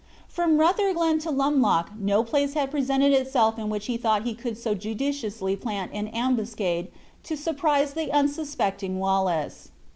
From Rutherglen to Lumloch no place had presented itself in which he thought he could so judiciously plant an ambuscade to surprise the unsuspecting Wallace.